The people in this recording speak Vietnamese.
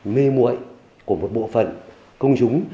mê muội của một bộ phận công chúng